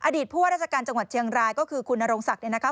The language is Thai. ผู้ว่าราชการจังหวัดเชียงรายก็คือคุณนรงศักดิ์เนี่ยนะคะ